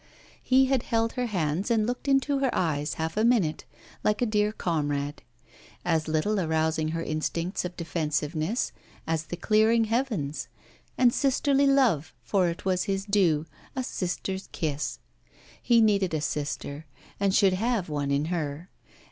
He had held her hands and looked into her eyes half a minute, like a dear comrade; as little arousing her instincts of defensiveness as the clearing heavens; and sisterly love for it was his due, a sister's kiss. He needed a sister, and should have one in her.